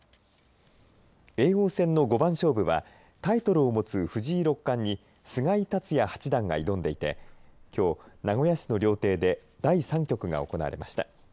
叡王戦の五番勝負はタイトルを持つ藤井六冠に菅井竜也八段が挑んでいてきょう、名古屋市の料亭で第３局が行われました。